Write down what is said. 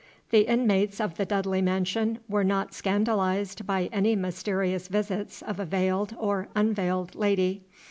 The inmates of the Dudley mansion were not scandalized by any mysterious visits of a veiled or unveiled lady.